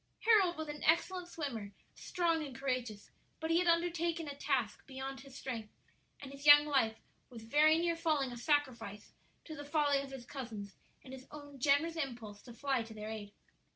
Harold was an excellent swimmer, strong and courageous; but he had undertaken a task beyond his strength, and his young life was very near falling a sacrifice to the folly of his cousins and his own generous impulse to fly to their aid.